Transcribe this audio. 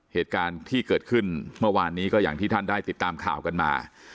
เหตุการณ์ที่เกิดขึ้นเมื่อวานนี้ก็อย่างที่ท่านได้ติดตามข่าวกันมา